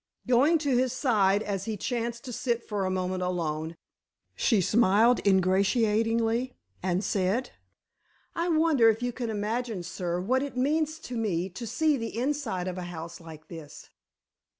Going to his side, as he chanced to sit for a moment alone, she smiled ingratiatingly and said: "I wonder if you can imagine, sir, what it means to me to see the inside of a house like this?"